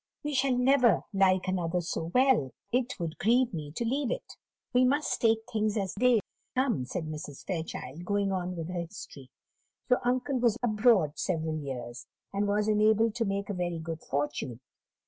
We shall never like another so well; it would grieve me to leave it." "We must take things as they come," said Mrs. Fairchild, going on with her history. "Your uncle was abroad several years, and was enabled to make a very good fortune.